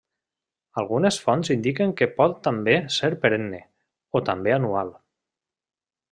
Algunes fonts indiquen que pot també ser perenne, o també anual.